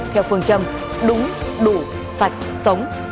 theo phương châm đúng đủ sạch sống